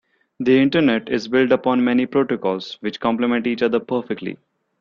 The internet is built upon many protocols which compliment each other perfectly.